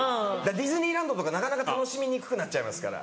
ディズニーランドとかなかなか楽しみにくくなっちゃいますから。